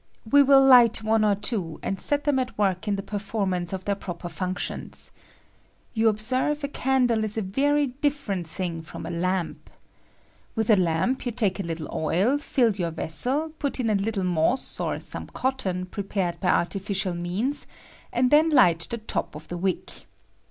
We will hght one or two, and set them at work in the performance of their proper functions. You observe a candle ia a very different thing from a lamp. With a lamp you take a little oil, fill your vessel, put in a little moss or some cotton prepared by artificial means, and then light the top of the wick.